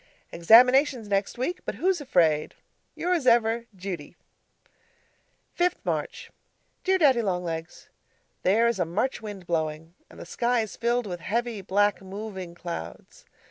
Examinations next week, but who's afraid? Yours ever, Judy 5th March Dear Daddy Long Legs, There is a March wind blowing, and the sky is filled with heavy, black moving clouds.